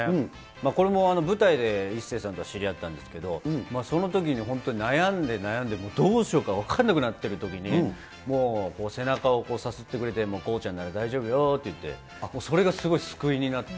これも舞台で一生さんと知り合ったんですけど、そのとき本当に悩んで悩んでもう、どうしようか分かんなくなってるときに、もう背中をさすってくれて、もう康ちゃんなら大丈夫よーって、もう、それがすごい救いになって。